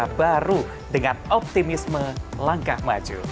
buka era baru dengan optimisme langkah maju